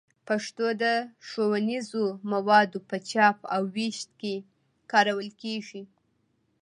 پښتو د ښوونیزو موادو په چاپ او ویش کې کارول کېږي.